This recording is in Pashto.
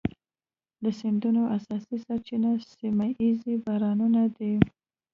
د سیندونو اساسي سرچینه سیمه ایز بارانونه دي.